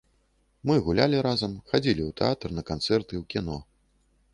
Мы гулялі разам, хадзілі ў тэатр, на канцэрты, у кіно.